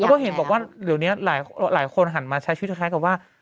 แล้วก็เห็นบอกว่าเดี๋ยวนี้หลายคนหันมาใช้ชีวิตคล้ายกับว่า